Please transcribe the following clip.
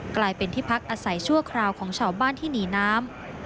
กลายเป็นที่พักอาศัยชั่วคราวของชาวบ้านที่หนีน้ำ